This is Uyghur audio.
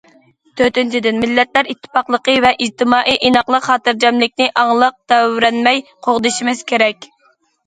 تۆتىنچىدىن، مىللەتلەر ئىتتىپاقلىقى ۋە ئىجتىمائىي ئىناقلىق، خاتىرجەملىكنى ئاڭلىق، تەۋرەنمەي قوغدىشىمىز كېرەك.